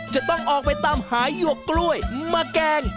จะต้องออกไปตามหาหยวกกล้วยมาแกล้ง